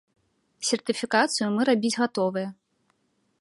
Сертыфікацыю мы рабіць гатовыя.